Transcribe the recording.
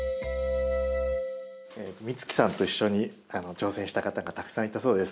美月さんと一緒に挑戦した方がたくさんいたそうです。